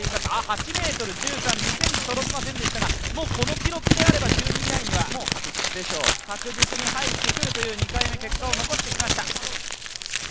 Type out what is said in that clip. ８ｍ１３、２ｃｍ届きませんでしたがもうこの記録であれば１２以内には確実に入ってくるという２回目、結果を残してきました。